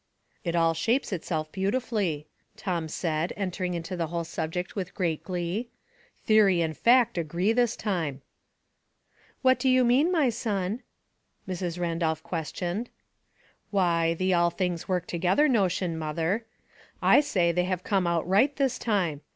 It all shapes itself beautifully," Tom said, en tering into the whole subject with great glee. "Theory and fact agree this time." " What do you mean, my son ?" Mrs. Ran dolph questioned. *' Why, the * all yiings work together ' notion, mother. I say they have come out right this time.